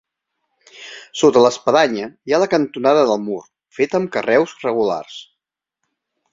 Sota l'espadanya hi ha la cantonada del mur, feta amb carreus regulars.